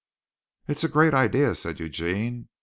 "It's a great idea," said Eugene.